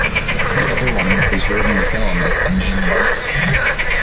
The other one was heard in the film as the main love theme.